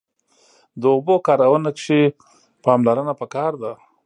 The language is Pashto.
د اوبو په کارونه کښی پاملرنه پکار ده